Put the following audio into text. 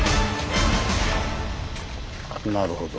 なるほど。